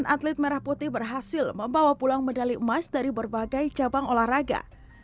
lima ratus sembilan puluh sembilan atlet merah putih berhasil membawa pulang medali emas dari berbagai cabang olahraga